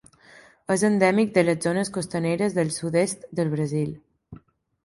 És endèmic de les zones costaneres del sud-est del Brasil.